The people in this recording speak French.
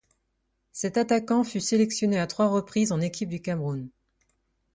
Cet attaquant fut sélectionné à trois reprises en équipe du Cameroun.